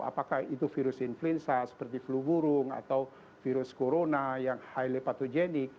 apakah itu virus influenza seperti flu burung atau virus corona yang highly patogenik